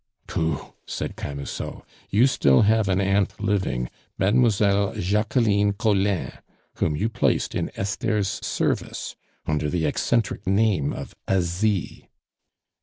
"Pooh!" said Camusot. "You still have an aunt living, Mademoiselle Jacqueline Collin, whom you placed in Esther's service under the eccentric name of Asie."